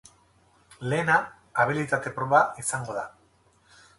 Lehena abilitate proba izango da.